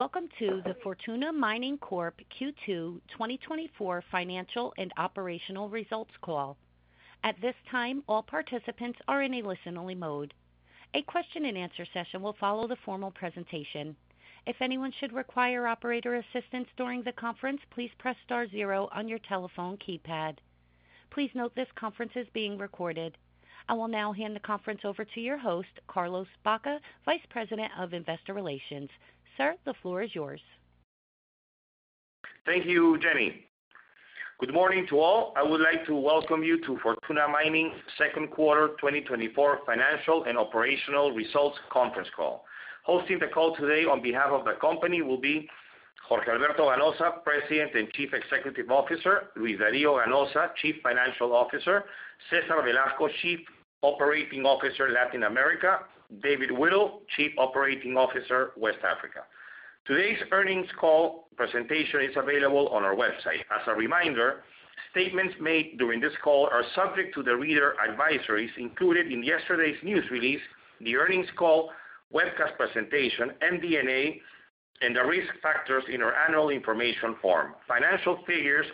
Welcome to the Fortuna Mining Corp Q2 2024 Financial and Operational Results Call. At this time, all participants are in a listen-only mode. A question-and-answer session will follow the formal presentation. If anyone should require operator assistance during the conference, please press star zero on your telephone keypad. Please note this conference is being recorded. I will now hand the conference over to your host, Carlos Baca, Vice President of Investor Relations. Sir, the floor is yours. Thank you, Jenny. Good morning to all. I would like to welcome you to Fortuna Mining second quarter 2024 financial and operational results conference call. Hosting the call today on behalf of the company will be Jorge Alberto Ganoza, President and Chief Executive Officer, Luis Dario Ganoza, Chief Financial Officer, Cesar Velasco, Chief Operating Officer, Latin America, David Whittle, Chief Operating Officer, West Africa. Today's earnings call presentation is available on our website. As a reminder, statements made during this call are subject to the reader advisories included in yesterday's news release, the earnings call, webcast presentation, MD&A, and the risk factors in our annual information form. Financial figures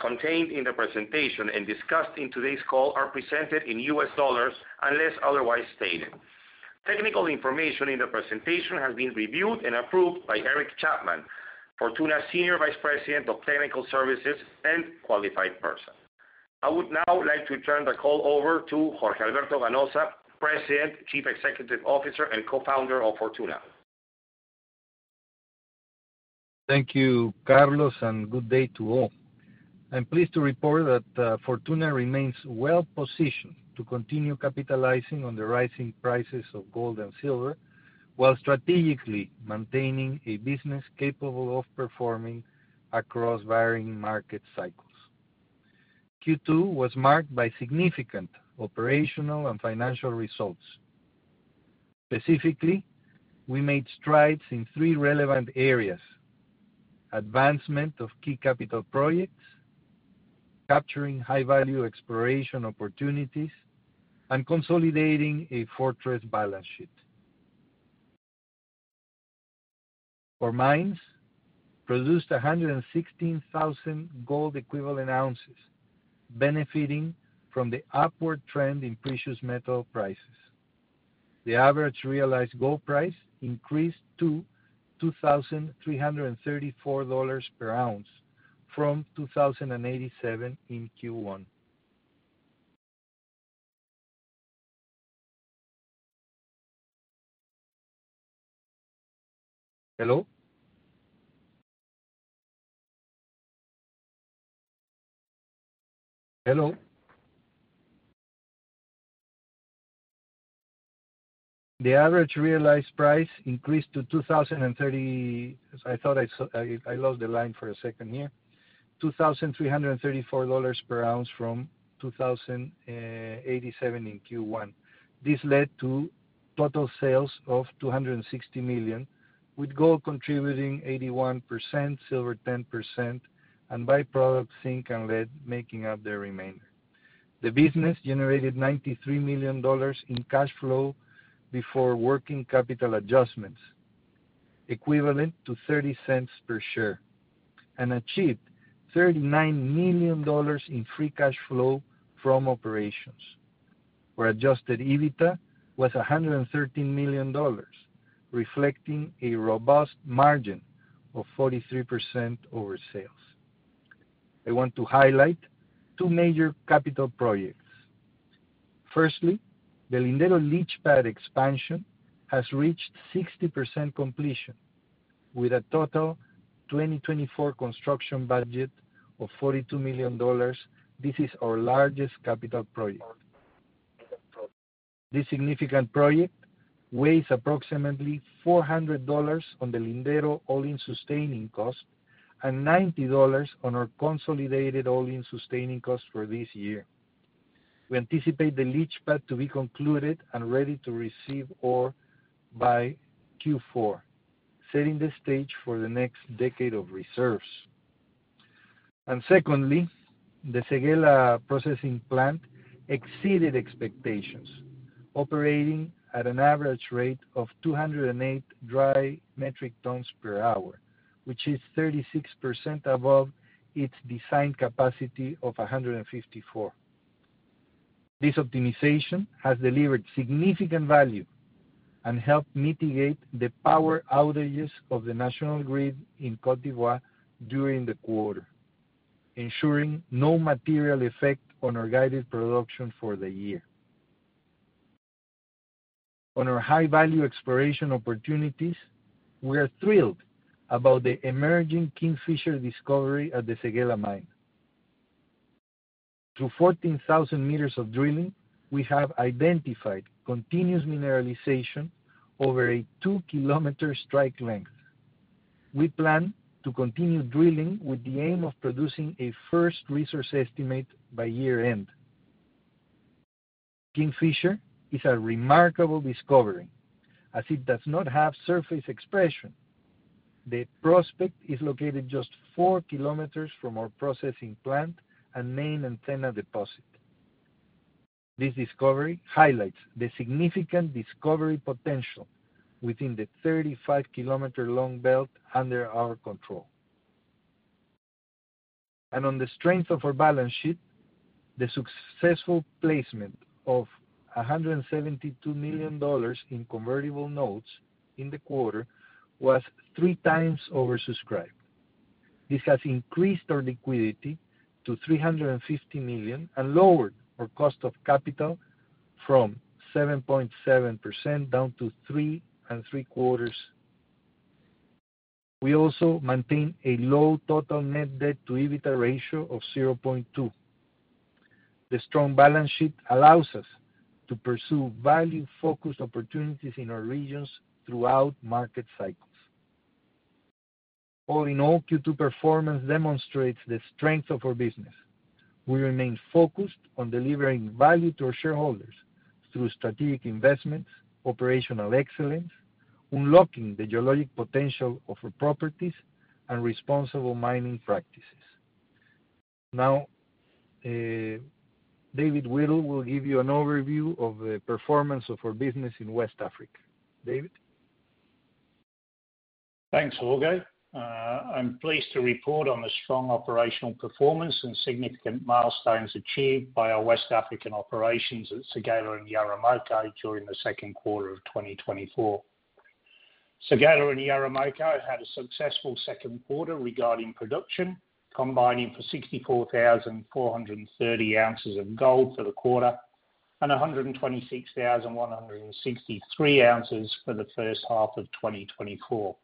contained in the presentation and discussed in today's call are presented in U.S. dollars, unless otherwise stated. Technical information in the presentation has been reviewed and approved by Eric Chapman, Fortuna Senior Vice President of Technical Services and Qualified Person. I would now like to turn the call over to Jorge Alberto Ganoza, President, Chief Executive Officer, and Co-Founder of Fortuna. Thank you, Carlos, and good day to all. I'm pleased to report that Fortuna remains well positioned to continue capitalizing on the rising prices of gold and silver, while strategically maintaining a business capable of performing across varying market cycles. Q2 was marked by significant operational and financial results. Specifically, we made strides in three relevant areas: advancement of key capital projects, capturing high-value exploration opportunities, and consolidating a fortress balance sheet. Our mines produced 116,000 gold equivalent ounces, benefiting from the upward trend in precious metal prices. The average realized gold price increased to $2,334 per ounce, from $2,087 in Q1. Hello? Hello? The average realized price increased to 2,030... I thought I saw - I lost the line for a second here. $2,334 per ounce from $2,087 in Q1. This led to total sales of $260 million, with gold contributing 81%, silver 10%, and by-product zinc and lead making up the remainder. The business generated $93 million in cash flow before working capital adjustments, equivalent to $0.30 per share, and achieved $39 million in free cash flow from operations, where adjusted EBITDA was $113 million, reflecting a robust margin of 43% over sales. I want to highlight two major capital projects. Firstly, the Lindero leach pad expansion has reached 60% completion, with a total 2024 construction budget of $42 million. This is our largest capital project. This significant project weighs approximately $400 on the Lindero all-in sustaining cost, and $90 on our consolidated all-in sustaining cost for this year. We anticipate the leach pad to be concluded and ready to receive ore by Q4, setting the stage for the next decade of reserves. Secondly, the Séguéla processing plant exceeded expectations, operating at an average rate of 208 dry metric tons per hour, which is 36% above its design capacity of 154. This optimization has delivered significant value and helped mitigate the power outages of the national grid in Côte d'Ivoire during the quarter, ensuring no material effect on our guided production for the year. On our high-value exploration opportunities, we are thrilled about the emerging Kingfisher discovery at the Séguéla mine. Through 14,000 meters of drilling, we have identified continuous mineralization over a 2 km strike length. We plan to continue drilling with the aim of producing a first resource estimate by year-end. Kingfisher is a remarkable discovery, as it does not have surface expression. The prospect is located just 4 km from our processing plant and main Antenna deposit.... This discovery highlights the significant discovery potential within the 35 km long belt under our control. And on the strength of our balance sheet, the successful placement of $172 million in convertible notes in the quarter was three times oversubscribed. This has increased our liquidity to $350 million, and lowered our cost of capital from 7.7% down to 3.75%. We also maintain a low total net debt to EBITDA ratio of 0.2. The strong balance sheet allows us to pursue value-focused opportunities in our regions throughout market cycles. All in all, Q2 performance demonstrates the strength of our business. We remain focused on delivering value to our shareholders through strategic investments, operational excellence, unlocking the geologic potential of our properties, and responsible mining practices. Now, David Whittle will give you an overview of the performance of our business in West Africa. David? Thanks, Jorge. I'm pleased to report on the strong operational performance and significant milestones achieved by our West African operations at Séguéla and Yaramoko during the second quarter of 2024. Séguéla and Yaramoko had a successful second quarter regarding production, combining for 64,430 ounces of gold for the quarter, and 126,163 ounces for the first half of 2024.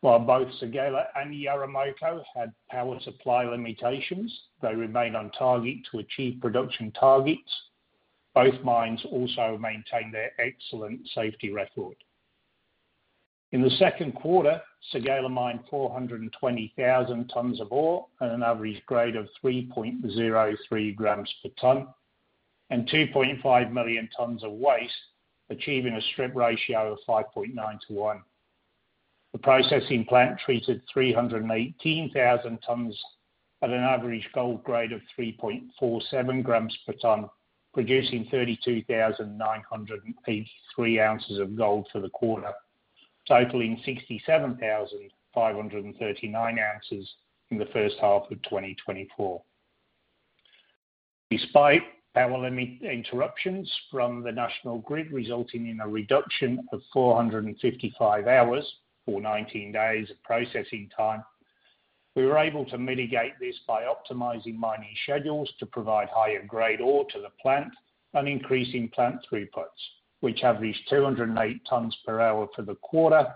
While both Séguéla and Yaramoko had power supply limitations, they remained on target to achieve production targets. Both mines also maintained their excellent safety record. In the second quarter, Séguéla mined 420,000 tons of ore at an average grade of 3.03 grams per ton, and 2.5 million tons of waste, achieving a strip ratio of 5.9 to 1. The processing plant treated 318,000 tons at an average gold grade of 3.47 grams per ton, producing 32,983 ounces of gold for the quarter, totaling 67,539 ounces in the first half of 2024. Despite power interruptions from the national grid, resulting in a reduction of 455 hours, or 19 days of processing time, we were able to mitigate this by optimizing mining schedules to provide higher grade ore to the plant and increasing plant throughputs, which averaged 208 tons per hour for the quarter,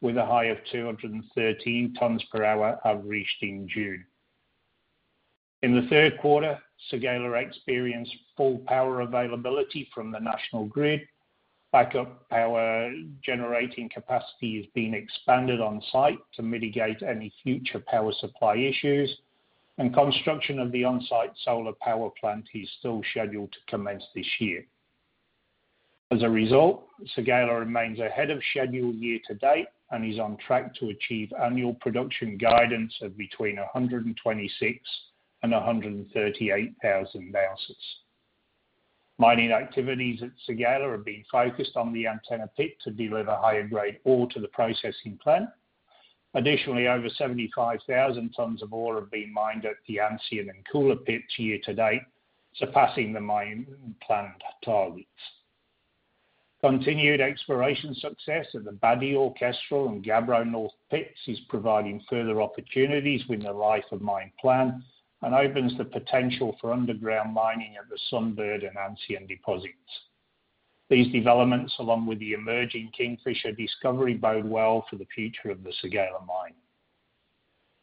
with a high of 213 tons per hour averaged in June. In the third quarter, Séguéla experienced full power availability from the national grid. Backup power generating capacity is being expanded on-site to mitigate any future power supply issues, and construction of the on-site solar power plant is still scheduled to commence this year. As a result, Séguéla remains ahead of schedule year to date, and is on track to achieve annual production guidance of between 126 and 138 thousand ounces. Mining activities at Séguéla have been focused on the Antenna pit to deliver higher grade ore to the processing plant. Additionally, over 75,000 tons of ore have been mined at the Ancien and Koula pits year to date, surpassing the mine planned targets. Continued exploration success at the Badior and Gabbro North pits is providing further opportunities with the life of mine plan, and opens the potential for underground mining at the Sunbird and Ancien deposits. These developments, along with the emerging Kingfisher discovery, bode well for the future of the Séguéla mine.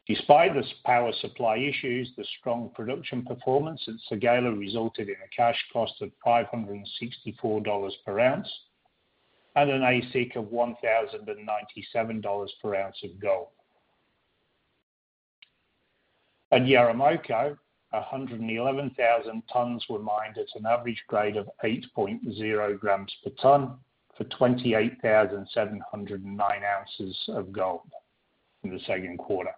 Despite the power supply issues, the strong production performance at Séguéla resulted in a cash cost of $564 per ounce and an AISC of $1,097 per ounce of gold. At Yaramoko, 111,000 tons were mined at an average grade of 8.0 grams per ton, for 28,709 ounces of gold in the second quarter.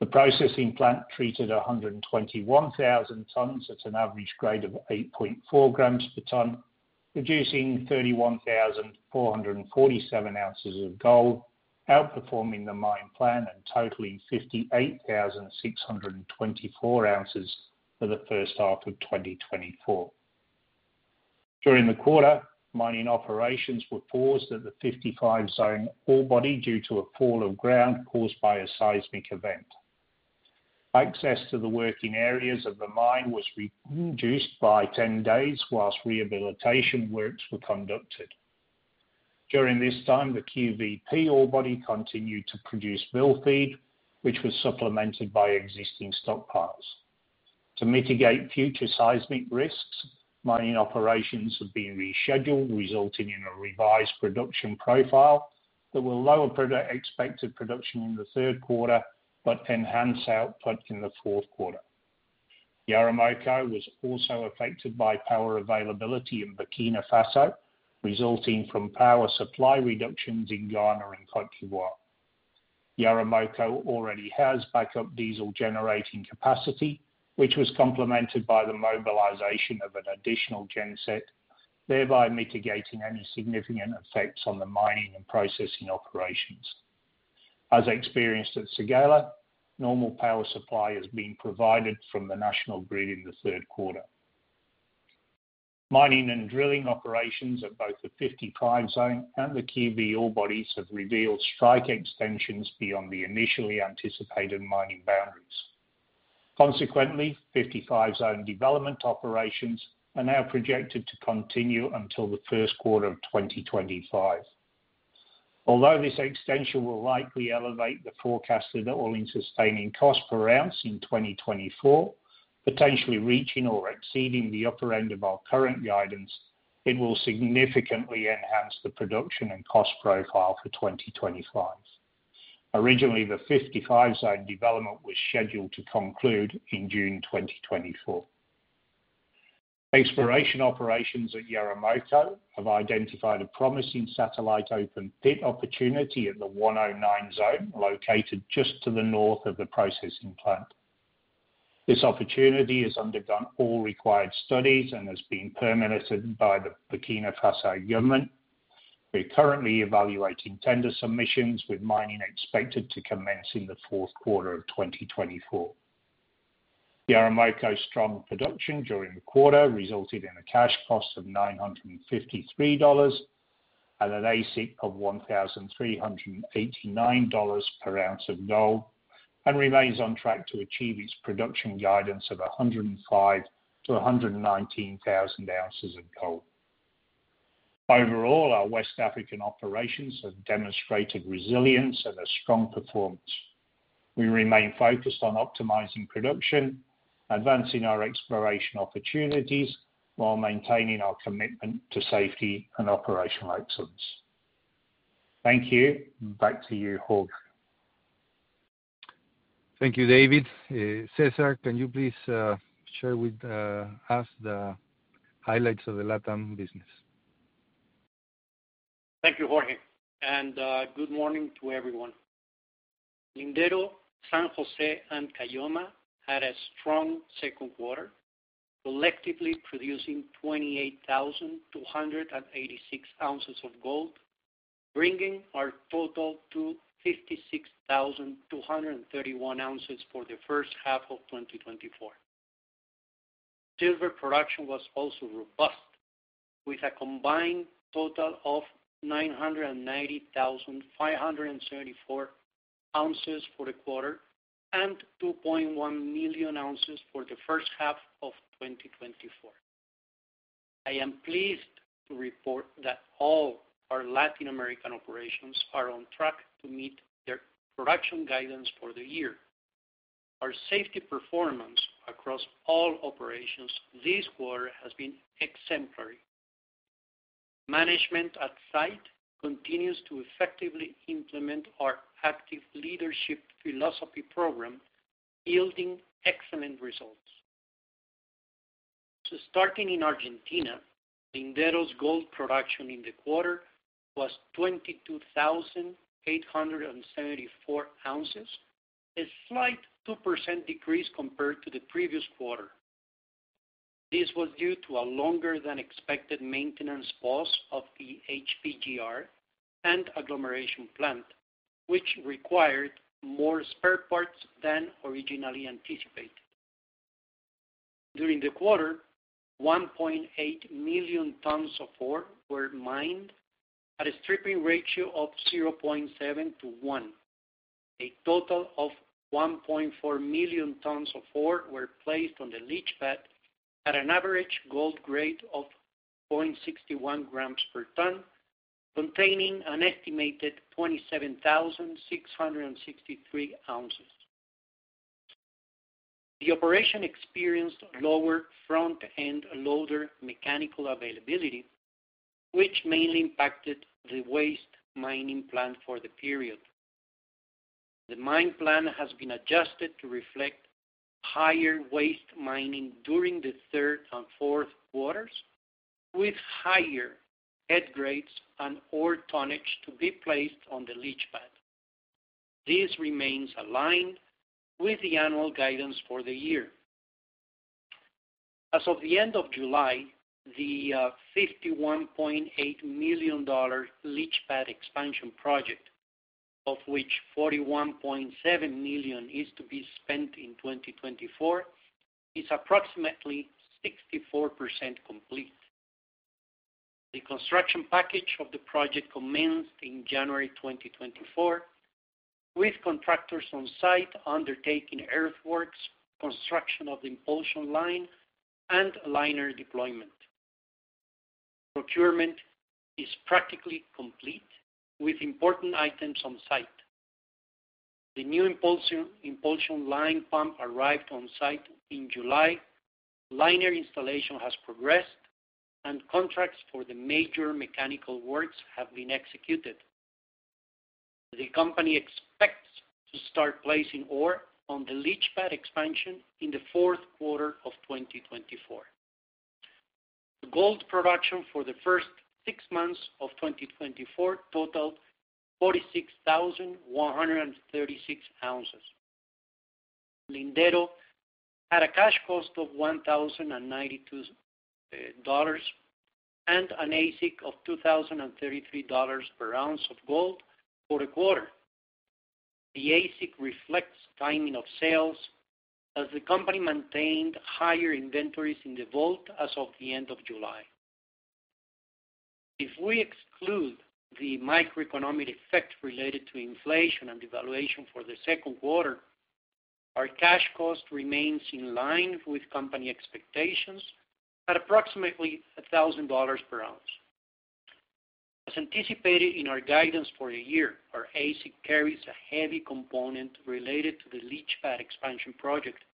The processing plant treated 121,000 tons at an average grade of 8.4 grams per ton, producing 31,447 ounces of gold, outperforming the mine plan and totaling 58,624 ounces for the first half of 2024. During the quarter, mining operations were paused at the 55 Zone ore body due to a fall of ground caused by a seismic event. Access to the working areas of the mine was reduced by 10 days while rehabilitation works were conducted. During this time, the QVP ore body continued to produce mill feed, which was supplemented by existing stockpiles. To mitigate future seismic risks, mining operations have been rescheduled, resulting in a revised production profile that will lower expected production in the third quarter, but enhance output in the fourth quarter. Yaramoko was also affected by power availability in Burkina Faso, resulting from power supply reductions in Ghana and Côte d'Ivoire. Yaramoko already has backup diesel generating capacity, which was complemented by the mobilization of an additional genset, thereby mitigating any significant effects on the mining and processing operations. As experienced at Séguéla, normal power supply is being provided from the national grid in the third quarter. Mining and drilling operations at both the 55 Zone and the QV ore bodies have revealed strike extensions beyond the initially anticipated mining boundaries. Consequently, 55 Zone development operations are now projected to continue until the first quarter of 2025. Although this extension will likely elevate the forecasted all-in sustaining cost per ounce in 2024, potentially reaching or exceeding the upper end of our current guidance, it will significantly enhance the production and cost profile for 2025. Originally, the 55 side development was scheduled to conclude in June 2024. Exploration operations at Yaramoko have identified a promising satellite open pit opportunity at the 109 Zone, located just to the north of the processing plant. This opportunity has undergone all required studies and has been permitted by the Burkina Faso government. We're currently evaluating tender submissions, with mining expected to commence in the fourth quarter of 2024. Yaramoko's strong production during the quarter resulted in a cash cost of $953 and an AISC of $1,389 per ounce of gold, and remains on track to achieve its production guidance of 105,000-119,000 ounces of gold. Overall, our West African operations have demonstrated resilience and a strong performance. We remain focused on optimizing production, advancing our exploration opportunities, while maintaining our commitment to safety and operational excellence. Thank you. Back to you, Jorge. Thank you, David. Cesar, can you please share with us the highlights of the Latam business? Thank you, Jorge, and good morning to everyone. Lindero, San Jose, and Caylloma had a strong second quarter, collectively producing 28,286 ounces of gold, bringing our total to 56,231 ounces for the first half of 2024. Silver production was also robust, with a combined total of 990,574 ounces for the quarter, and 2.1 million ounces for the first half of 2024. I am pleased to report that all our Latin American operations are on track to meet their production guidance for the year. Our safety performance across all operations this quarter has been exemplary. Management at site continues to effectively implement our active leadership philosophy program, yielding excellent results. So starting in Argentina, Lindero's gold production in the quarter was 22,834 ounces, a slight 2% decrease compared to the previous quarter. This was due to a longer than expected maintenance pause of the HPGR and agglomeration plant, which required more spare parts than originally anticipated. During the quarter, 1.8 million tons of ore were mined at a stripping ratio of 0.7 to 1. A total of 1.4 million tons of ore were placed on the leach pad at an average gold grade of 0.61 grams per ton, containing an estimated 27,663 ounces. The operation experienced lower front-end loader mechanical availability, which mainly impacted the waste mining plan for the period. The mine plan has been adjusted to reflect higher waste mining during the third and fourth quarters, with higher head grades and ore tonnage to be placed on the leach pad. This remains aligned with the annual guidance for the year. As of the end of July, the $51.8 million leach pad expansion project, of which $41.7 million is to be spent in 2024, is approximately 64% complete. The construction package of the project commenced in January 2024, with contractors on site undertaking earthworks, construction of the impulsion line, and liner deployment. Procurement is practically complete, with important items on site. The new impulsion line pump arrived on site in July. Liner installation has progressed, and contracts for the major mechanical works have been executed. The company expects to start placing ore on the leach pad expansion in the fourth quarter of 2024.... Gold production for the first six months of 2024 totaled 46,136 ounces. Lindero had a cash cost of $1,092 and an AISC of $2,033 per ounce of gold for the quarter. The AISC reflects timing of sales, as the company maintained higher inventories in the vault as of the end of July. If we exclude the microeconomic effect related to inflation and devaluation for the second quarter, our cash cost remains in line with company expectations at approximately $1,000 per ounce. As anticipated in our guidance for the year, our AISC carries a heavy component related to the leach pad expansion project.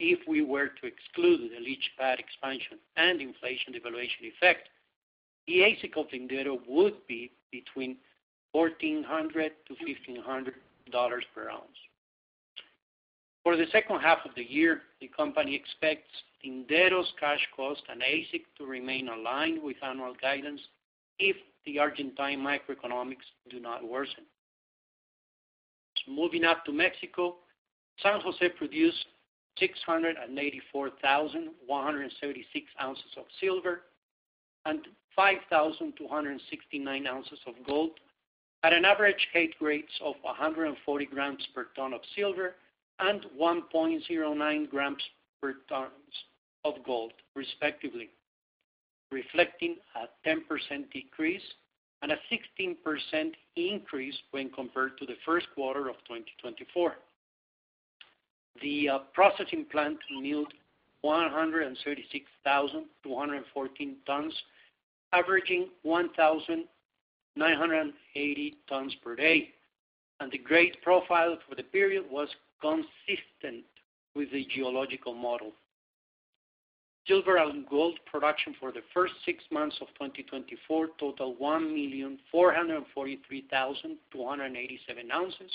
If we were to exclude the leach pad expansion and inflation devaluation effect, the AISC of Lindero would be between $1,400-$1,500 per ounce. For the second half of the year, the company expects Lindero's cash cost and AISC to remain aligned with annual guidance if the Argentine microeconomics do not worsen. Moving up to Mexico, San Jose produced 684,176 ounces of silver and 5,269 ounces of gold at an average head grades of 140 grams per ton of silver and 1.09 grams per ton of gold, respectively, reflecting a 10% decrease and a 16% increase when compared to the first quarter of 2024. The processing plant milled 136,214 tons, averaging 1,980 tons per day. The grade profile for the period was consistent with the geological model. Silver and gold production for the first six months of 2024 totaled 1,443,287 ounces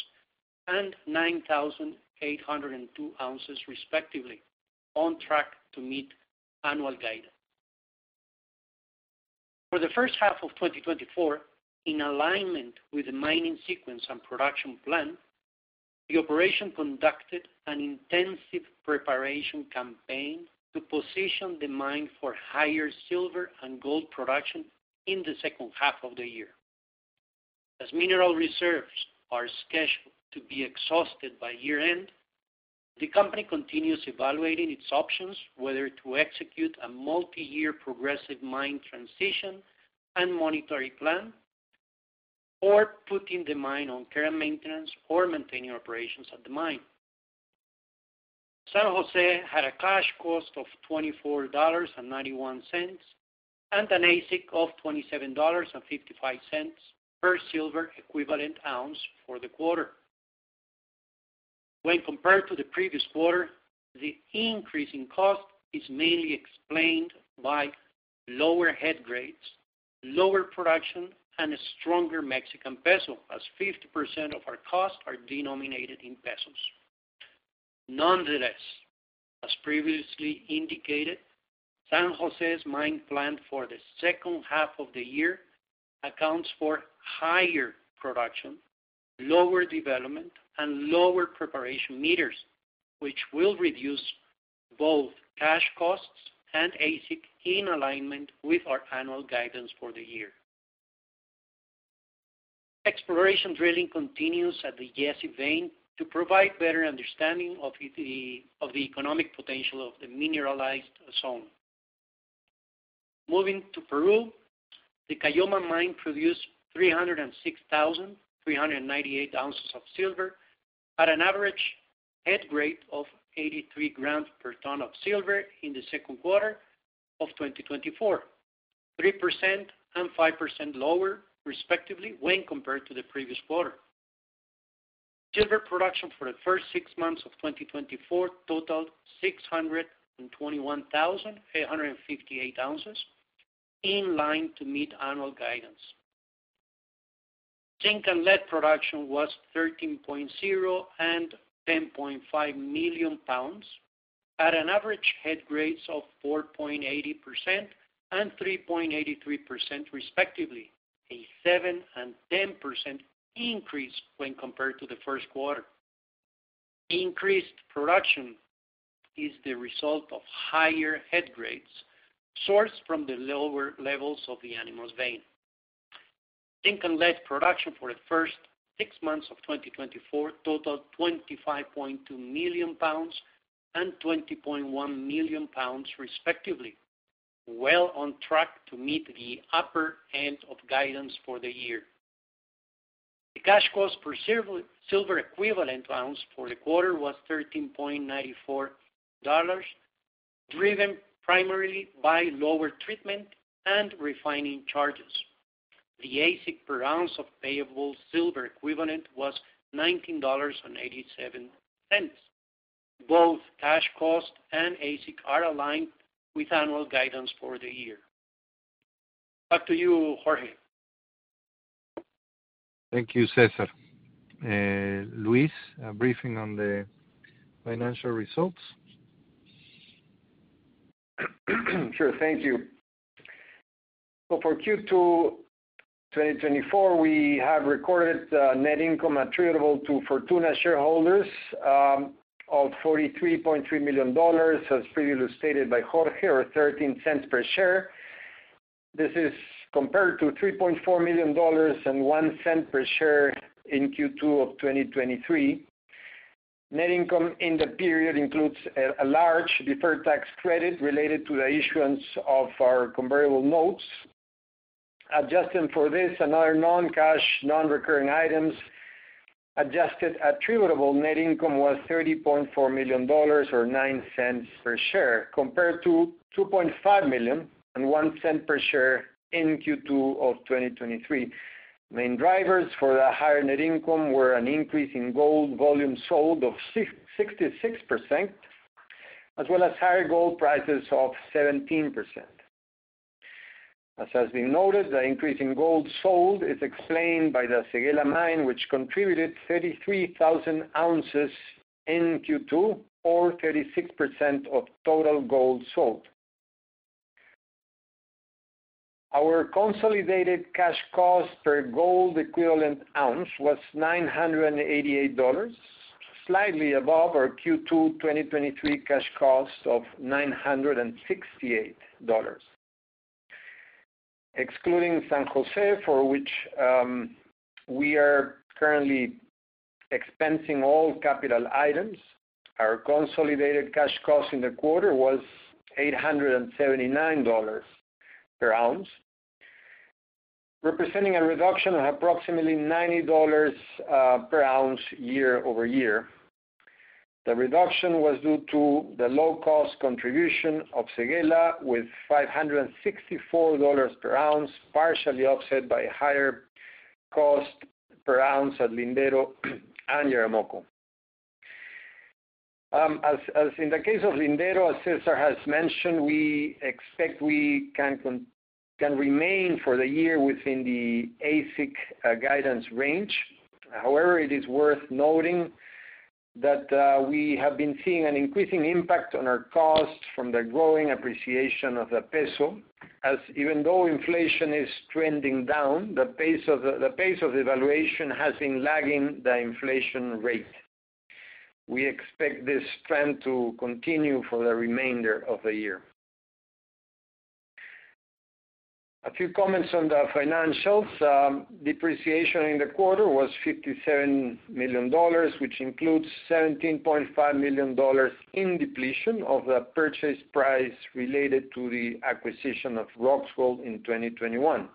and 9,802 ounces, respectively, on track to meet annual guidance. For the first half of 2024, in alignment with the mining sequence and production plan, the operation conducted an intensive preparation campaign to position the mine for higher silver and gold production in the second half of the year. As mineral reserves are scheduled to be exhausted by year-end, the company continues evaluating its options, whether to execute a multiyear progressive mine transition and monetary plan, or putting the mine on care and maintenance or maintaining operations at the mine. San Jose had a cash cost of $24.91, and an AISC of $27.55 per silver equivalent ounce for the quarter. When compared to the previous quarter, the increase in cost is mainly explained by lower head grades, lower production, and a stronger Mexican peso, as 50% of our costs are denominated in pesos. Nonetheless, as previously indicated, San Jose's mine plan for the second half of the year accounts for higher production, lower development, and lower preparation meters, which will reduce both cash costs and AISC, in alignment with our annual guidance for the year. Exploration drilling continues at the Yessi vein to provide better understanding of the economic potential of the mineralized zone. Moving to Peru, the Caylloma Mine produced 306,398 ounces of silver at an average head grade of 83 grams per ton of silver in the second quarter of 2024, 3% and 5% lower, respectively, when compared to the previous quarter. Silver production for the first six months of 2024 totaled 621,858 ounces, in line to meet annual guidance. Zinc and lead production was 13.0 and 10.5 million pounds, at an average head grades of 4.80% and 3.83%, respectively, a 7% and 10% increase when compared to the first quarter. Increased production is the result of higher head grades sourced from the lower levels of the Animas vein. Zinc and lead production for the first six months of 2024 totaled 25.2 million pounds and 20.1 million pounds, respectively, well on track to meet the upper end of guidance for the year. The cash cost per silver, silver equivalent ounce for the quarter was $13.94, driven primarily by lower treatment and refining charges. The AISC per ounce of payable silver equivalent was $19.87. Both cash cost and AISC are aligned with annual guidance for the year. Back to you, Jorge. Thank you, Cesar. Luis, a briefing on the financial results? Sure. Thank you. So for Q2 2024, we have recorded net income attributable to Fortuna shareholders of $43.3 million, as previously stated by Jorge, or $0.13 per share. This is compared to $3.4 million and $0.01 per share in Q2 of 2023. Net income in the period includes a large deferred tax credit related to the issuance of our convertible notes. Adjusting for this and other non-cash, non-recurring items, adjusted attributable net income was $30.4 million or $0.09 per share, compared to $2.5 million and $0.01 per share in Q2 of 2023. Main drivers for the higher net income were an increase in gold volume sold of 66%, as well as higher gold prices of 17%. As has been noted, the increase in gold sold is explained by the Séguéla mine, which contributed 33,000 ounces in Q2 or 36% of total gold sold. Our consolidated cash cost per gold equivalent ounce was $988, slightly above our Q2 2023 cash cost of $968. Excluding San Jose, for which we are currently expensing all capital items, our consolidated cash cost in the quarter was $879 per ounce, representing a reduction of approximately $90 per ounce year-over-year. The reduction was due to the low-cost contribution of Séguéla with $564 per ounce, partially offset by higher cost per ounce at Lindero and Yaramoko. As in the case of Lindero, as Cesar has mentioned, we expect we can remain for the year within the AISC guidance range. However, it is worth noting that we have been seeing an increasing impact on our costs from the growing appreciation of the peso, as even though inflation is trending down, the pace of devaluation has been lagging the inflation rate. We expect this trend to continue for the remainder of the year. A few comments on the financials. Depreciation in the quarter was $57 million, which includes $17.5 million in depletion of the purchase price related to the acquisition of Roxgold in 2021.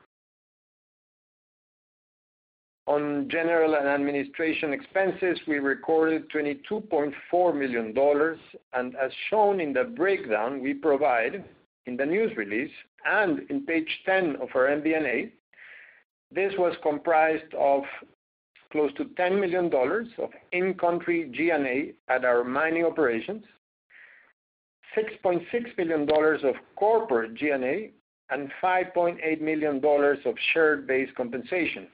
On general and administrative expenses, we recorded $22.4 million, and as shown in the breakdown we provide in the news release and in page 10 of our MD&A, this was comprised of close to $10 million of in-country G&A at our mining operations, $6.6 million of corporate G&A, and $5.8 million of share-based compensation.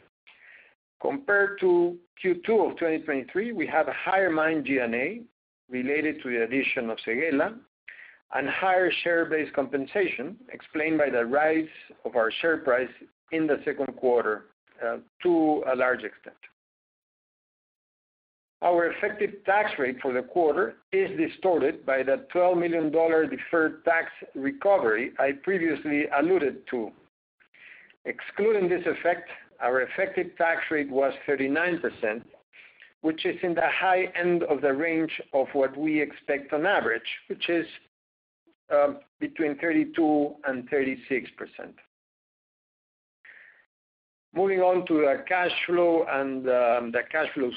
Compared to Q2 of 2023, we have a higher mine G&A related to the addition of Séguéla, and higher share-based compensation explained by the rise of our share price in the second quarter, to a large extent. Our effective tax rate for the quarter is distorted by the $12 million deferred tax recovery I previously alluded to. Excluding this effect, our effective tax rate was 39%, which is in the high end of the range of what we expect on average, which is between 32%-36%. Moving on to the cash flow and the cash flow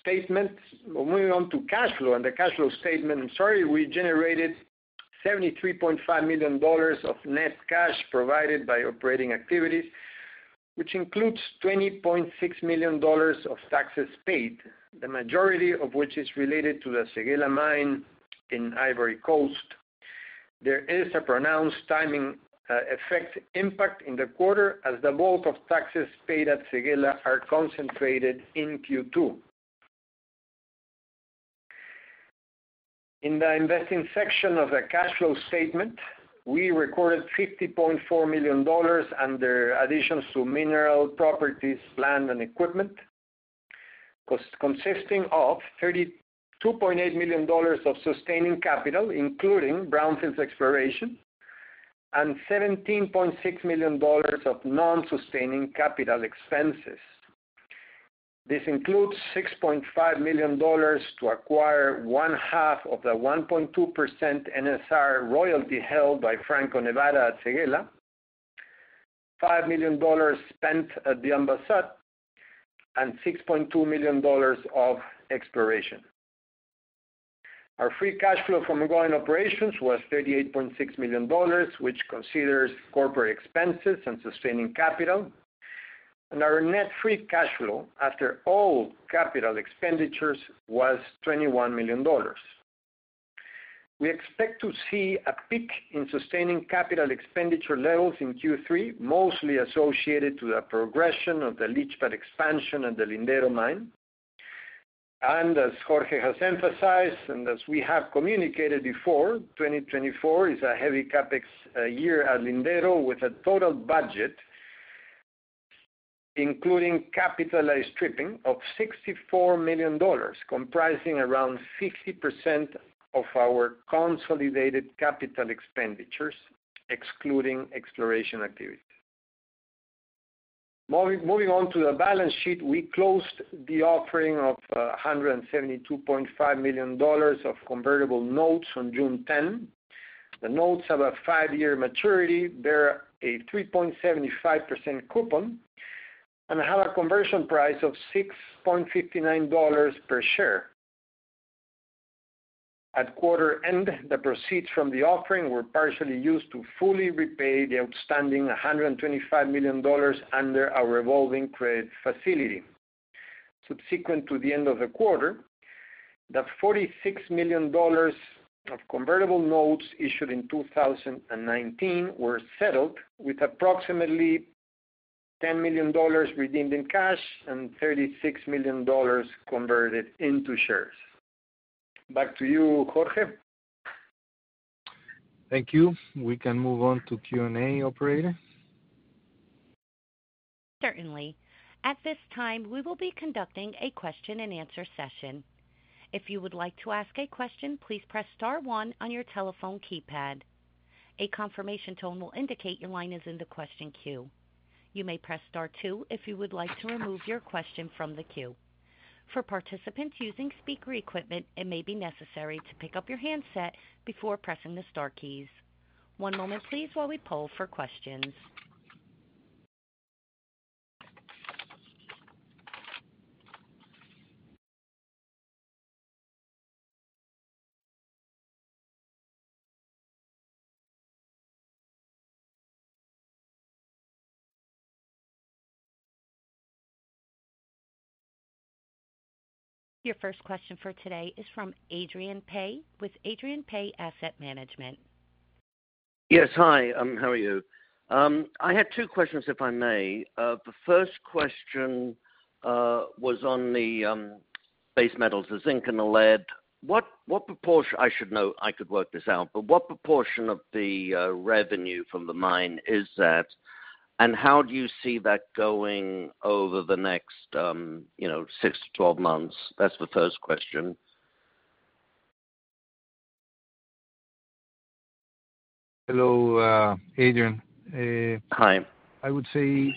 statement. Moving on to cash flow and the cash flow statement, sorry, we generated $73.5 million of net cash provided by operating activities, which includes $20.6 million of taxes paid, the majority of which is related to the Séguéla mine in Ivory Coast. There is a pronounced timing effect impact in the quarter, as the bulk of taxes paid at Séguéla are concentrated in Q2. In the investing section of the cash flow statement, we recorded $50.4 million under additions to mineral properties, land, and equipment, consisting of $32.8 million of sustaining capital, including brownfields exploration, and $17.6 million of non-sustaining capital expenses. This includes $6.5 million to acquire one half of the 1.2% NSR royalty held by Franco-Nevada at Séguéla, $5 million spent at Diamba Sud, and $6.2 million of exploration. Our free cash flow from ongoing operations was $38.6 million, which considers corporate expenses and sustaining capital. And our net free cash flow after all capital expenditures was $21 million. We expect to see a peak in sustaining capital expenditure levels in Q3, mostly associated to the progression of the leach pad expansion at the Lindero mine. And as Jorge has emphasized, and as we have communicated before, 2024 is a heavy CapEx year at Lindero, with a total budget, including capitalized stripping of $64 million, comprising around 60% of our consolidated capital expenditures, excluding exploration activities. Moving on to the balance sheet, we closed the offering of $172.5 million of convertible notes on June 10. The notes have a 5-year maturity. They're a 3.75% coupon, and have a conversion price of $6.59 per share. At quarter end, the proceeds from the offering were partially used to fully repay the outstanding $125 million under our revolving credit facility. Subsequent to the end of the quarter, the $46 million of convertible notes issued in 2019 were settled with approximately $10 million redeemed in cash and $36 million converted into shares. Back to you, Jorge. Thank you. We can move on to Q&A, operator. Certainly. At this time, we will be conducting a question-and-answer session. If you would like to ask a question, please press star one on your telephone keypad. A confirmation tone will indicate your line is in the question queue. You may press star two if you would like to remove your question from the queue. For participants using speaker equipment, it may be necessary to pick up your handset before pressing the star keys. One moment please, while we poll for questions. Your first question for today is from Adrian Day with Adrian Day Asset Management. Yes. Hi, how are you? I had two questions, if I may. The first question was on the base metals, the zinc and the lead. What, what proportion—I should know, I could work this out, but what proportion of the revenue from the mine is that? And how do you see that going over the next, you know, six to 12 months? That's the first question. Hello, Adrian, Hi. I would say,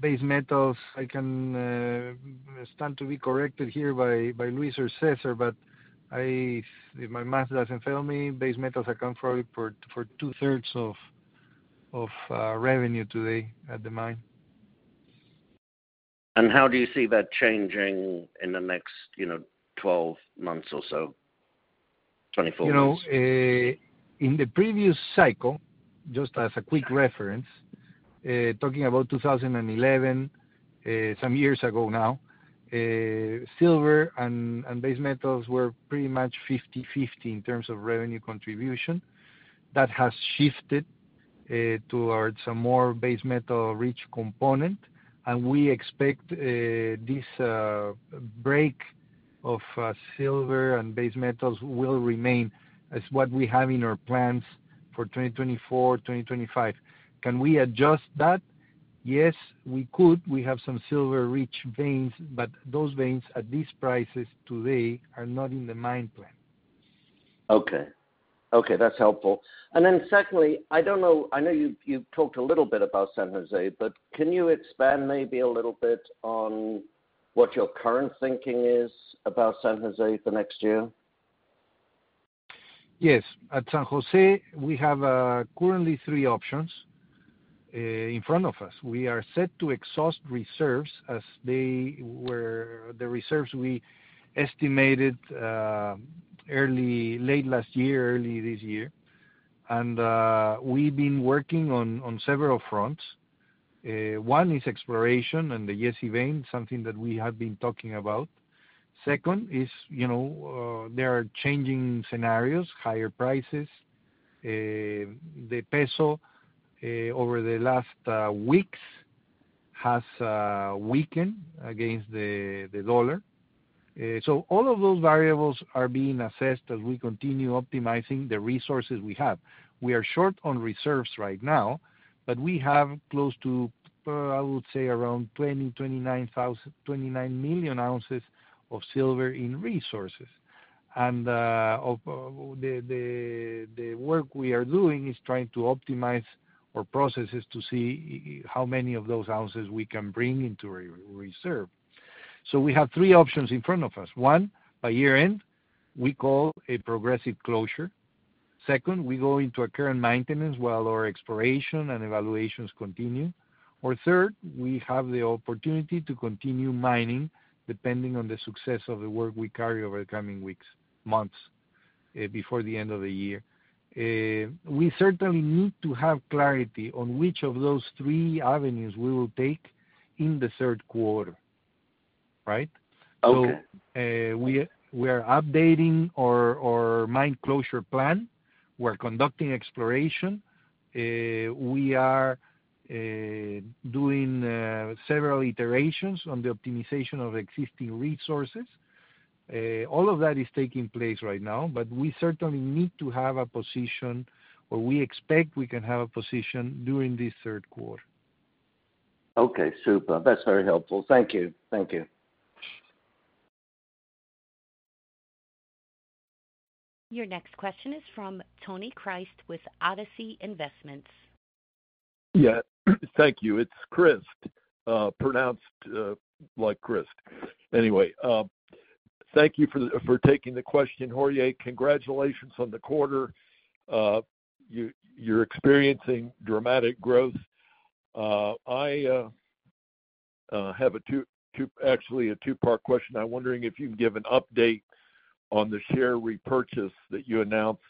base metals, I can stand to be corrected here by Luis or Cesar, but if my math doesn't fail me, base metals account for two-thirds of revenue today at the mine. How do you see that changing in the next, you know, 12 months or so? 24 months. You know, in the previous cycle, just as a quick reference, talking about 2011, some years ago now, silver and, and base metals were pretty much 50/50 in terms of revenue contribution. That has shifted, towards a more base metal-rich component, and we expect, this, break of, silver and base metals will remain as what we have in our plans for 2024, 2025. Can we adjust that? Yes, we could. We have some silver-rich veins, but those veins, at these prices today, are not in the mine plan. Okay. Okay, that's helpful. And then secondly, I don't know, I know you've, you've talked a little bit about San Jose, but can you expand maybe a little bit on what your current thinking is about San Jose for next year? Yes. At San Jose, we have currently three options in front of us. We are set to exhaust reserves as they were the reserves we estimated late last year, early this year. And we've been working on several fronts. One is exploration and the Yessi vein, something that we have been talking about. Second is, you know, there are changing scenarios, higher prices. The peso over the last weeks has weakened against the dollar. So all of those variables are being assessed as we continue optimizing the resources we have. We are short on reserves right now, but we have close to, I would say around 29 million ounces of silver in resources. Of the work we are doing is trying to optimize our processes to see how many of those ounces we can bring into reserve. So we have three options in front of us. One, by year-end, we call a progressive closure. Second, we go into a current maintenance while our exploration and evaluations continue. Or third, we have the opportunity to continue mining, depending on the success of the work we carry over the coming weeks, months, before the end of the year. We certainly need to have clarity on which of those three avenues we will take in the third quarter... Right? So, we are updating our mine closure plan. We're conducting exploration. We are doing several iterations on the optimization of existing resources. All of that is taking place right now, but we certainly need to have a position, or we expect we can have a position during this third quarter. Okay, super. That's very helpful. Thank you. Thank you. Your next question is from Tony Christ with Odyssey Investments. Yeah, thank you. It's Christ, pronounced like Christ. Anyway, thank you for taking the question, Jorge. Congratulations on the quarter. You're experiencing dramatic growth. I actually have a two-part question. I'm wondering if you can give an update on the share repurchase that you announced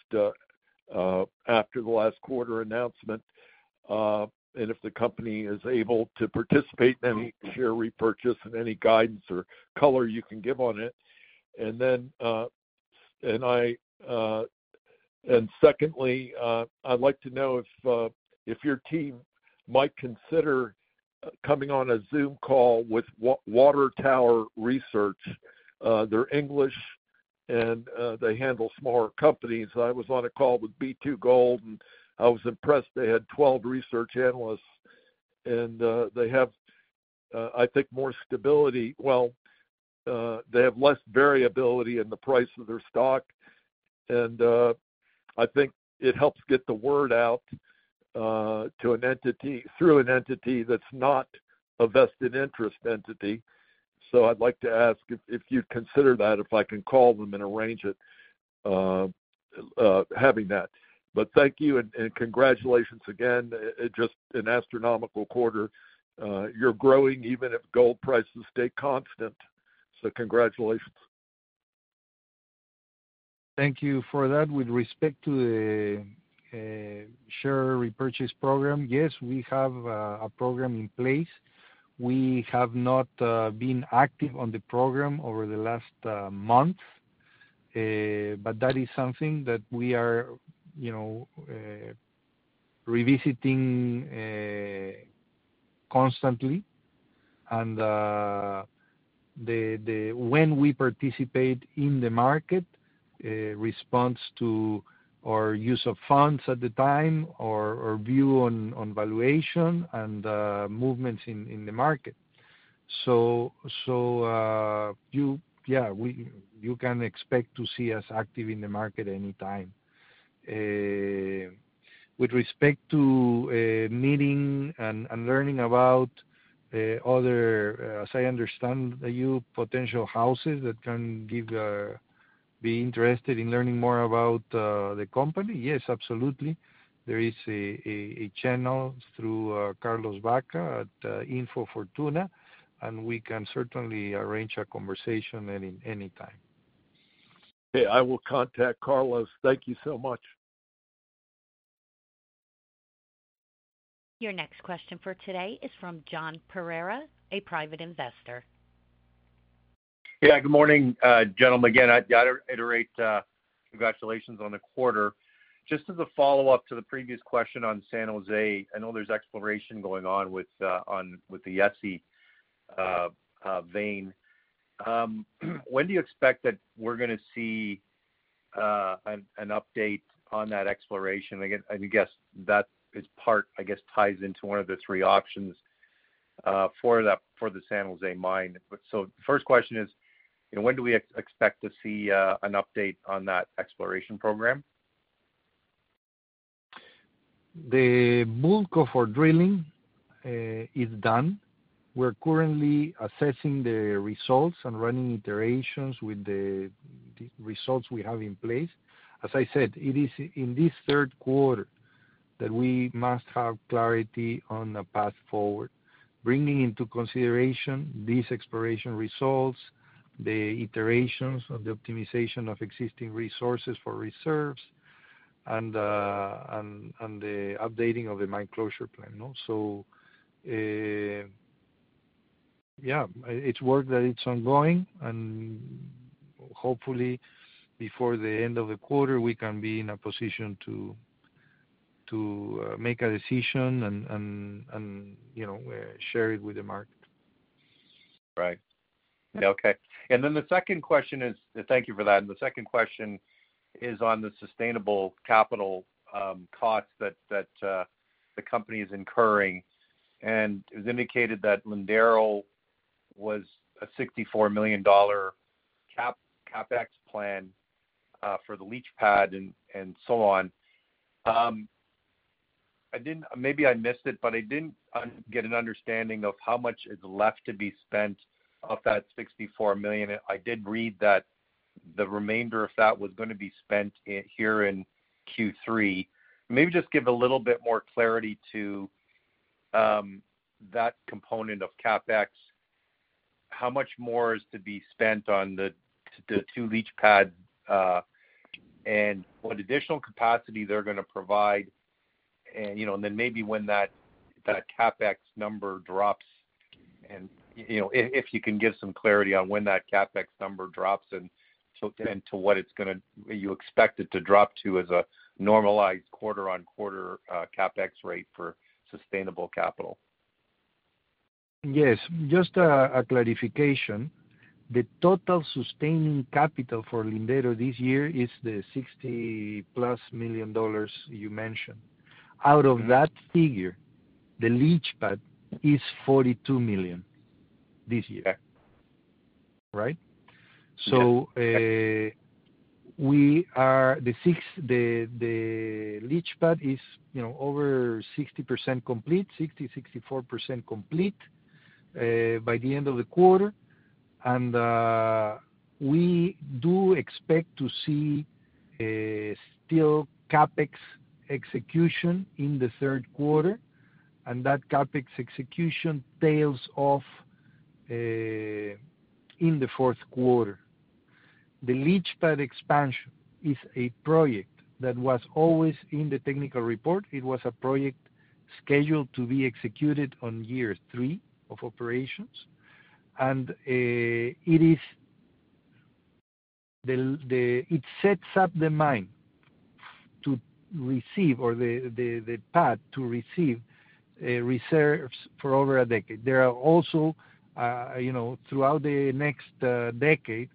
after the last quarter announcement, and if the company is able to participate in any share repurchase and any guidance or color you can give on it. And then, secondly, I'd like to know if your team might consider coming on a Zoom call with Water Tower Research. They're English, and they handle smaller companies. I was on a call with B2Gold, and I was impressed. They had 12 research analysts, and they have, I think, more stability. Well, they have less variability in the price of their stock, and I think it helps get the word out to an entity through an entity that's not a vested interest entity. So I'd like to ask if you'd consider that, if I can call them and arrange it, having that. But thank you, and congratulations again. It's just an astronomical quarter. You're growing even if gold prices stay constant. So congratulations. Thank you for that. With respect to the share repurchase program, yes, we have a program in place. We have not been active on the program over the last month, but that is something that we are, you know, revisiting constantly. And the, the—when we participate in the market responds to our use of funds at the time or, or view on, on valuation and movements in, in the market. So, so, you, yeah, we—you can expect to see us active in the market anytime. With respect to meeting and, and learning about other, as I understand, you potential houses that can give, be interested in learning more about the company, yes, absolutely. There is a channel through Carlos Baca in Fortuna, and we can certainly arrange a conversation anytime. Okay, I will contact Carlos. Thank you so much. Your next question for today is from John Pereira, a private investor. Yeah, good morning, gentlemen. Again, I've got to iterate, congratulations on the quarter. Just as a follow-up to the previous question on San Jose, I know there's exploration going on with the Yessi vein. When do you expect that we're gonna see an update on that exploration? I guess that is part, ties into one of the three options for the San Jose mine. But so the first question is, you know, when do we expect to see an update on that exploration program? The bulk of our drilling is done. We're currently assessing the results and running iterations with the results we have in place. As I said, it is in this third quarter that we must have clarity on the path forward, bringing into consideration these exploration results, the iterations of the optimization of existing resources for reserves, and the updating of the mine closure plan, no? So, yeah, it's work that it's ongoing, and hopefully, before the end of the quarter, we can be in a position to make a decision and you know, share it with the market. Right. Okay. And then the second question is. Thank you for that. And the second question is on the sustaining capital costs that the company is incurring. And it was indicated that Lindero was a $64 million CapEx plan for the leach pad and so on. Maybe I missed it, but I didn't get an understanding of how much is left to be spent of that $64 million. I did read that the remainder of that was gonna be spent here in Q3. Maybe just give a little bit more clarity to that component of CapEx, how much more is to be spent on the two leach pad and what additional capacity they're gonna provide? You know, and then maybe when that CapEx number drops, you know, if you can give some clarity on when that CapEx number drops, and then to what you expect it to drop to as a normalized quarter-over-quarter CapEx rate for sustaining capital? Yes. Just a clarification. The total Sustaining Capital for Lindero this year is the $60+ million you mentioned. Out of that figure, the leach pad is $42 million this year. Yeah. Right? Yeah. So, the leach pad is, you know, over 60% complete, 60, 64% complete, by the end of the quarter. And, we do expect to see still CapEx execution in the third quarter, and that CapEx execution tails off, in the fourth quarter. The leach pad expansion is a project that was always in the technical report. It was a project scheduled to be executed on year three of operations, and, it is the—it sets up the mine to receive, or the—the pad to receive, reserves for over a decade. There are also, you know, throughout the next decade,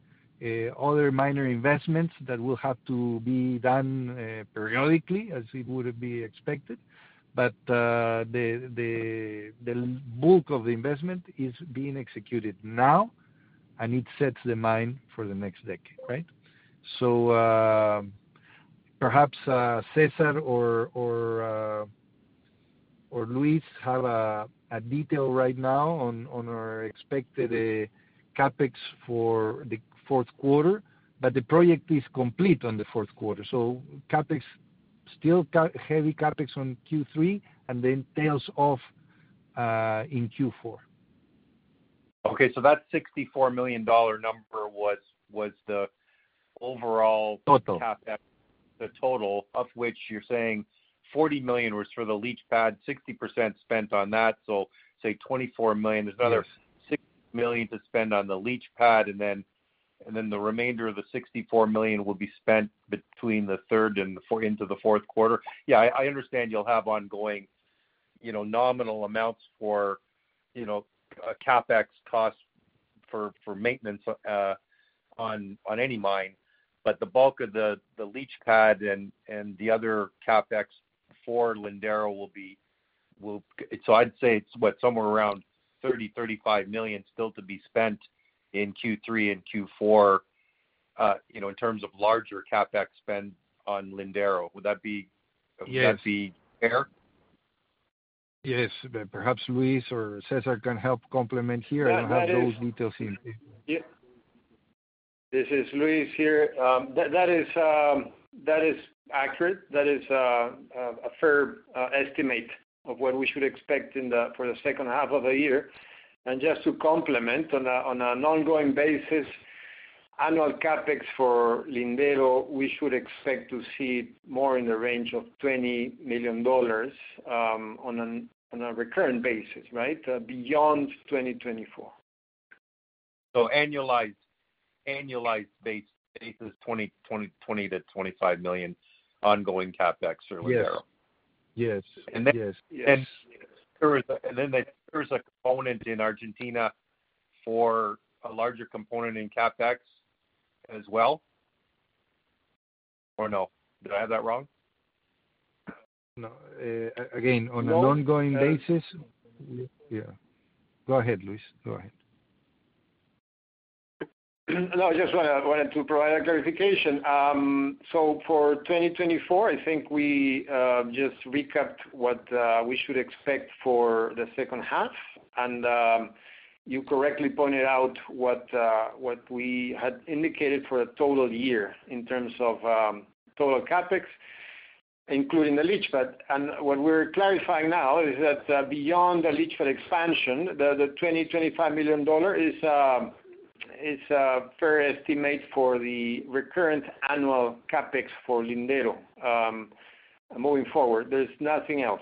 other minor investments that will have to be done, periodically, as it would be expected. But, the bulk of the investment is being executed now, and it sets the mine for the next decade, right? So, perhaps, Cesar or Luis have a detail right now on our expected CapEx for the fourth quarter, but the project is complete on the fourth quarter. So CapEx, still capital-heavy CapEx on Q3, and then tails off in Q4. Okay, so that $64 million number was the overall- Total CapEx, the total, of which you're saying $40 million was for the leach pad, 60% spent on that, so say $24 million. Yes. There's another $60 million to spend on the leach pad, and then, and then the remainder of the $64 million will be spent between the third and the fourth, into the fourth quarter. Yeah, I, I understand you'll have ongoing, you know, nominal amounts for, you know, CapEx costs for maintenance on any mine. But the bulk of the leach pad and the other CapEx for Lindero will be. So I'd say it's, what? Somewhere around $30-$35 million still to be spent in Q3 and Q4, you know, in terms of larger CapEx spend on Lindero. Would that be- Yes. Would that be fair? Yes. But perhaps Luis or Cesar can help complement here. Yeah, that is- I don't have those details here. Yeah. This is Luis here. That is accurate. That is a fair estimate of what we should expect for the second half of the year. And just to complement, on an ongoing basis, annual CapEx for Lindero, we should expect to see more in the range of $20 million on a recurrent basis, right? Beyond 2024. So annualized basis, $20 million-$25 million ongoing CapEx for Lindero. Yes. Yes, yes. And then there's a component in Argentina for a larger component in CapEx as well, or no? Did I have that wrong? No. Again, on an ongoing basis- No, uh- Yeah. Go ahead, Luis, go ahead. No, I just wanna, wanted to provide a clarification. So for 2024, I think we just recapped what we should expect for the second half, and you correctly pointed out what what we had indicated for the total year in terms of total CapEx, including the leach pad. And what we're clarifying now is that beyond the leach pad expansion, the $25 million is a fair estimate for the recurrent annual CapEx for Lindero. Moving forward, there's nothing else.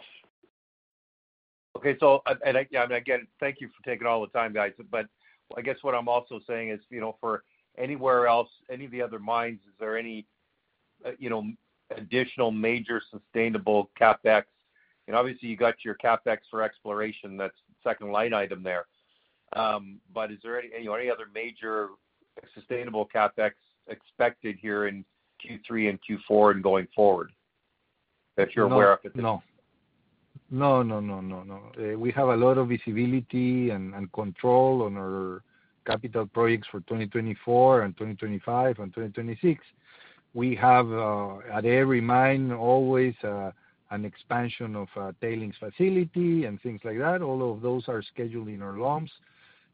Okay, so, and again, thank you for taking all the time, guys, but I guess what I'm also saying is, you know, for anywhere else, any of the other mines, is there any, you know, additional major sustainable CapEx? And obviously, you got your CapEx for exploration, that's the second line item there. But is there any, any other major sustainable CapEx expected here in Q3 and Q4 and going forward, that you're aware of? No. No, no, no, no, no. We have a lot of visibility and, and control on our capital projects for 2024 and 2025 and 2026. We have, at every mine, always, an expansion of, tailings facility and things like that. All of those are scheduled in our lumps.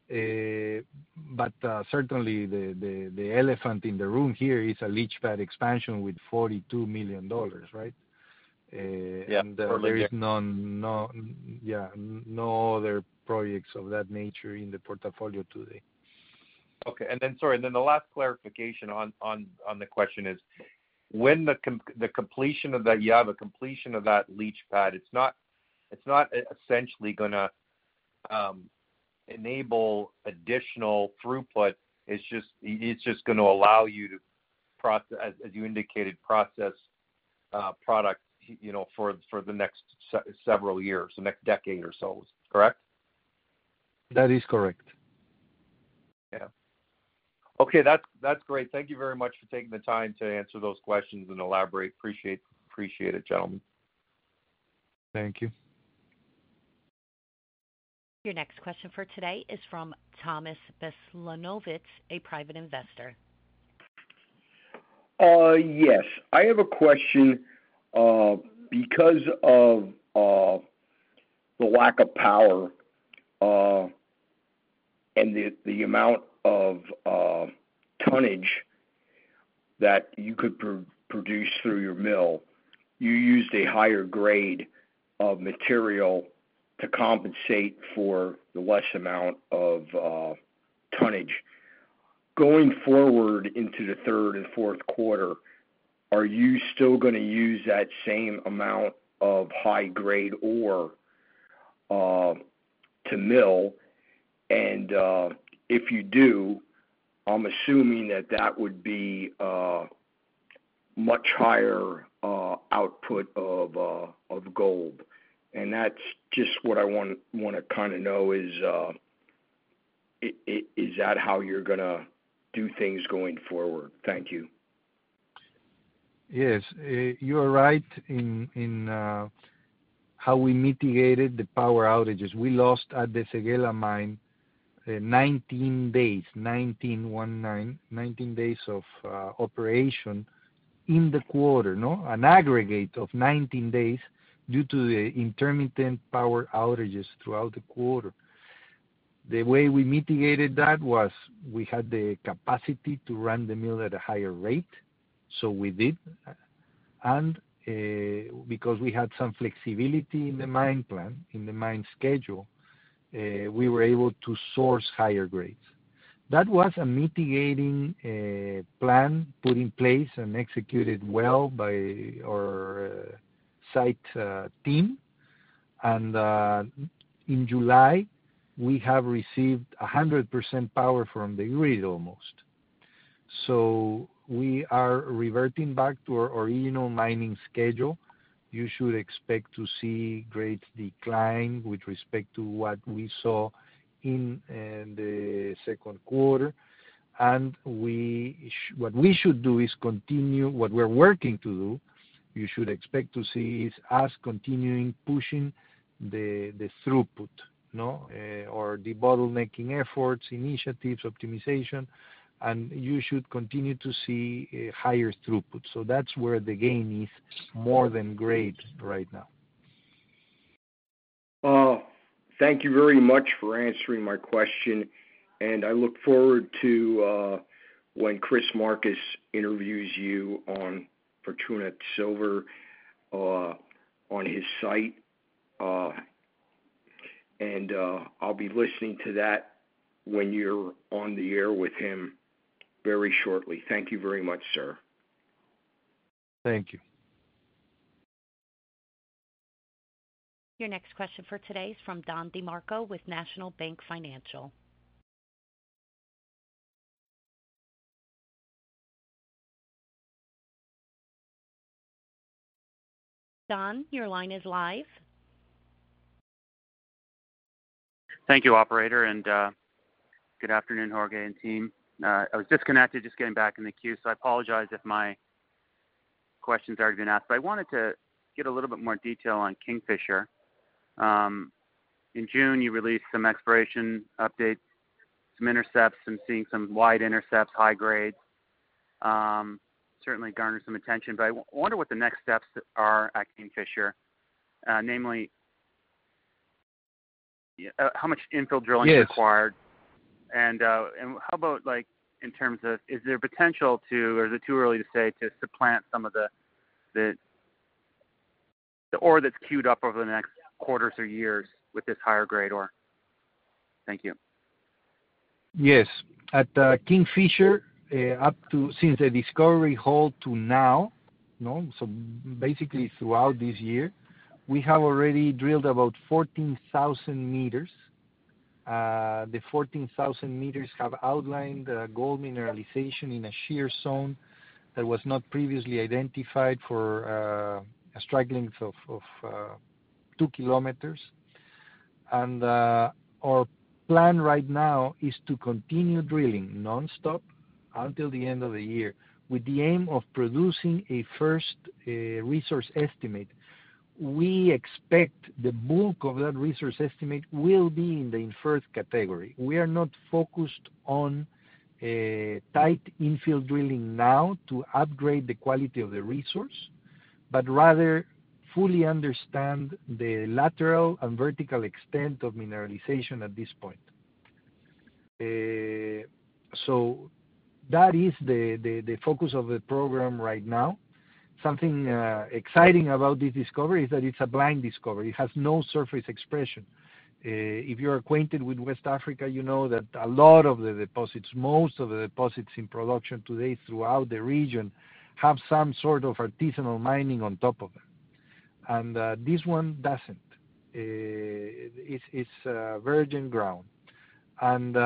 But, certainly, the, the, the elephant in the room here is a leach pad expansion with $42 million, right? Yeah, for Lindero. There is none. No other projects of that nature in the portfolio today.... Okay, and then sorry, then the last clarification on the question is, when the completion of that, you have a completion of that leach pad, it's not essentially gonna enable additional throughput, it's just gonna allow you to process, as you indicated, product, you know, for the next several years, the next decade or so, correct? That is correct. Yeah. Okay, that's, that's great. Thank you very much for taking the time to answer those questions and elaborate. Appreciate, appreciate it, gentlemen. Thank you. Your next question for today is from Thomas Veslanovitz, a private investor. Yes, I have a question. Because of the lack of power and the amount of tonnage that you could produce through your mill, you used a higher grade of material to compensate for the less amount of tonnage. Going forward into the third and fourth quarter, are you still gonna use that same amount of high grade ore to mill? And if you do, I'm assuming that that would be a much higher output of gold. And that's just what I wanna kinda know is, is that how you're gonna do things going forward? Thank you. Yes. You are right in how we mitigated the power outages. We lost at the Séguéla mine 19 days. 19 days of operation in the quarter, no? An aggregate of 19 days due to the intermittent power outages throughout the quarter. The way we mitigated that was we had the capacity to run the mill at a higher rate, so we did. And because we had some flexibility in the mine plan, in the mine schedule, we were able to source higher grades. That was a mitigating plan put in place and executed well by our site team. And in July, we have received 100% power from the grid, almost. So we are reverting back to our original mining schedule. You should expect to see great decline with respect to what we saw in the second quarter. What we should do is continue... What we're working to do, you should expect to see, is us continuing pushing the throughput, no? Or the bottlenecking efforts, initiatives, optimization, and you should continue to see a higher throughput. So that's where the gain is more than grades right now. Thank you very much for answering my question, and I look forward to when Chris Marcus interviews you on Fortuna Silver on his site. I'll be listening to that when you're on the air with him very shortly. Thank you very much, sir. Thank you. Your next question for today is from Don DeMarco with National Bank Financial. Don, your line is live. Thank you, operator, and good afternoon, Jorge and team. I was disconnected, just getting back in the queue, so I apologize if my questions have already been asked. But I wanted to get a little bit more detail on Kingfisher. In June, you released some exploration updates, some intercepts, and seeing some wide intercepts, high grades, certainly garnered some attention. But I wonder what the next steps are at Kingfisher, namely, how much infill drilling- Yes. is required? And, how about, like, in terms of, is there potential to, or is it too early to say, to supplant some of the ore that's queued up over the next quarters or years with this higher grade ore? Thank you. Yes. At Kingfisher, up to since the discovery hole to now, no? So basically throughout this year, we have already drilled about 14,000 meters. The 14,000 meters have outlined gold mineralization in a shear zone that was not previously identified for a strike length of two km. And our plan right now is to continue drilling nonstop until the end of the year, with the aim of producing a first resource estimate. We expect the bulk of that resource estimate will be in the inferred category. We are not focused on tight infill drilling now to upgrade the quality of the resource, but rather fully understand the lateral and vertical extent of mineralization at this point. That is the focus of the program right now. Something exciting about this discovery is that it's a blind discovery. It has no surface expression. If you're acquainted with West Africa, you know that a lot of the deposits, most of the deposits in production today throughout the region, have some sort of artisanal mining on top of it, and this one doesn't. It's virgin ground. And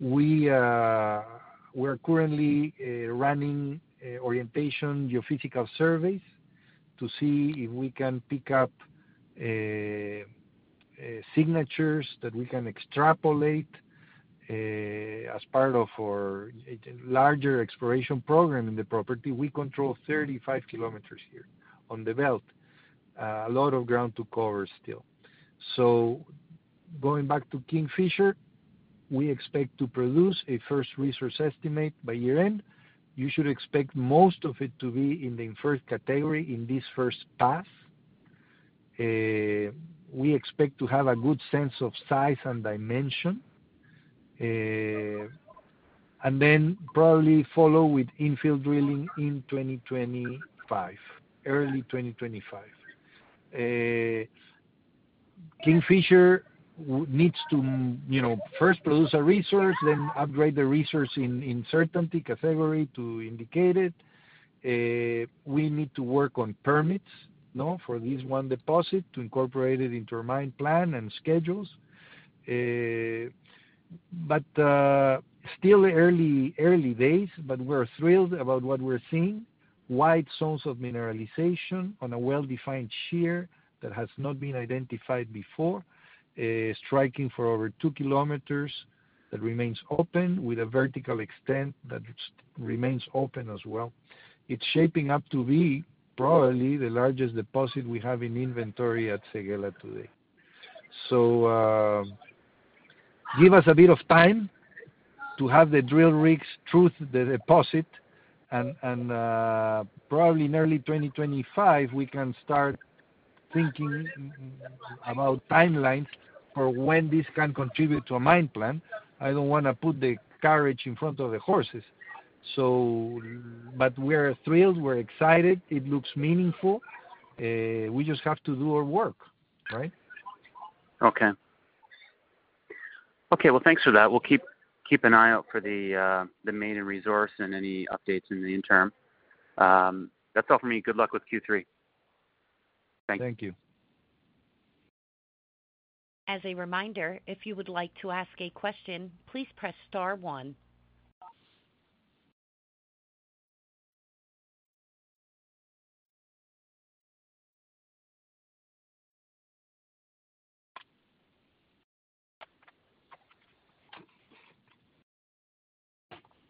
we're currently running orientation geophysical surveys to see if we can pick up signatures that we can extrapolate as part of our larger exploration program in the property. We control 35 km here on the belt. A lot of ground to cover still. So going back to Kingfisher, we expect to produce a first resource estimate by year-end. You should expect most of it to be in the inferred category in this first pass. We expect to have a good sense of size and dimension, and then probably follow with infill drilling in 2025, early 2025. Kingfisher needs to, you know, first produce a resource, then upgrade the resource in, in certainty category to indicate it. We need to work on permits, no? For this one deposit, to incorporate it into our mine plan and schedules. But, still early, early days, but we're thrilled about what we're seeing. Wide zones of mineralization on a well-defined shear that has not been identified before, striking for over two km, that remains open, with a vertical extent that remains open as well. It's shaping up to be probably the largest deposit we have in inventory at Séguéla today. So, give us a bit of time to have the drill rigs true the deposit, and, probably in early 2025, we can start thinking about timelines for when this can contribute to a mine plan. I don't wanna put the carriage in front of the horses, so... But we're thrilled, we're excited. It looks meaningful. We just have to do our work, right? Okay. Okay, well, thanks for that. We'll keep an eye out for the maiden resource and any updates in the interim. That's all for me. Good luck with Q3. Thank you. Thank you. As a reminder, if you would like to ask a question, please press star one.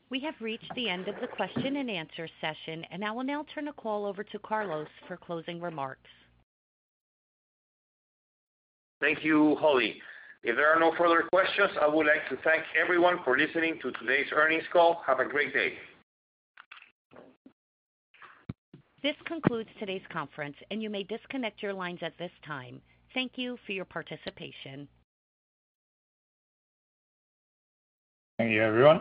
We have reached the end of the question and answer session, and I will now turn the call over to Carlos for closing remarks. Thank you, Holly. If there are no further questions, I would like to thank everyone for listening to today's earnings call. Have a great day. This concludes today's conference, and you may disconnect your lines at this time. Thank you for your participation. Thank you, everyone.